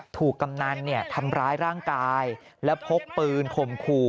กำนันทำร้ายร่างกายและพกปืนข่มขู่